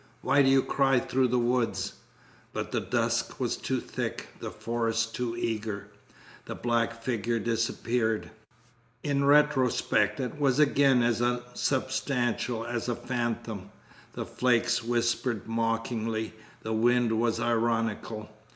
Why do you cry through the woods?" But the dusk was too thick, the forest too eager. The black figure disappeared. In retrospect it was again as unsubstantial as a phantom. The flakes whispered mockingly. The wind was ironical.